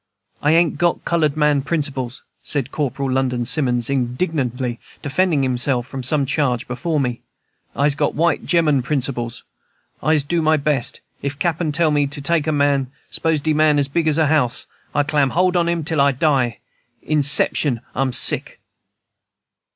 "I ain't got colored man principles," said Corporal London Simmons, indignantly defending himself from some charge before me. "I'se got white gemman principles. I'se do my best. If Cap'n tell me to take a man, s'pose de man be as big as a house, I'll clam hold on him till I die, inception [excepting] I'm sick."